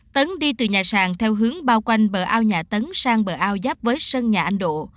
tấn đi từ nhà sàng theo hướng bao quanh bờ ao nhà tấn sang bờ ao giáp với sân nhà anh độ